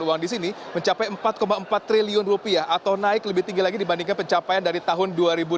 uang di sini mencapai empat empat triliun rupiah atau naik lebih tinggi lagi dibandingkan pencapaian dari tahun dua ribu delapan belas